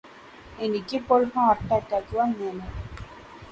എനിക്കിപോൾ heart attack വന്നേനെ